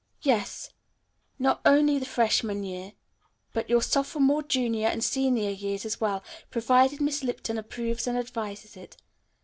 "Yes; not only the freshman year, but your sophomore, junior and senior years as well, provided Miss Lipton approves and advises it.